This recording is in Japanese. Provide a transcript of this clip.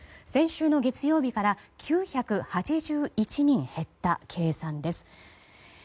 先週の月曜日から９８１人減った計算です。